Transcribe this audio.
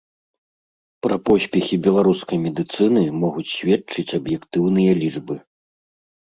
Пра поспехі беларускай медыцыны могуць сведчыць аб'ектыўныя лічбы.